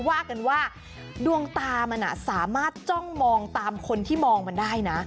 ว่ากันว่าดวงตามันสามารถจ้องมองตามคนที่มองมันได้นะ